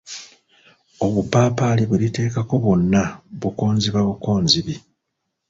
Obupaapali bweriteekako bwonna bukoozimba bukoozimbi.